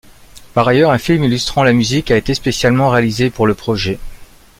Par ailleurs, un film illustrant la musique a été spécialement réalisé pour le projet.